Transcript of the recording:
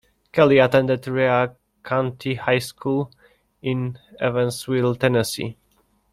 Kelly attended Rhea County High School in Evensville, Tennessee.